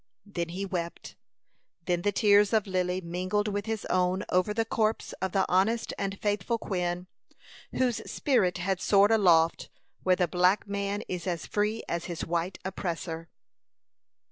Then he wept; then the tears of Lily mingled with his own over the corpse of the honest and faithful Quin, whose spirit had soared aloft, where the black man is as free as his white oppressor.